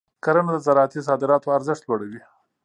کرنه د زراعتي صادراتو ارزښت لوړوي.